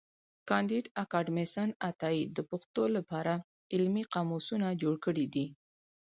کانديد اکاډميسن عطايي د پښتو له پاره علمي قاموسونه جوړ کړي دي.